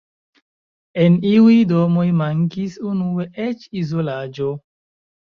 En iuj domoj mankis unue eĉ izolaĝo.